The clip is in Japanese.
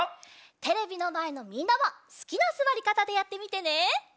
テレビのまえのみんなもすきなすわりかたでやってみてね。